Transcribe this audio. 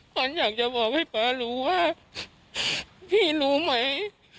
ขวัญอยากจะบอกให้ป๊ารู้ว่าพี่รู้ไหม